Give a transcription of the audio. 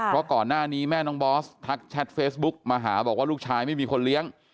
เพราะก่อนหน้านี้แม่น้องบอสทักแชทเฟซบุ๊กมาหาบอกว่าลูกชายไม่มีคนเลี้ยง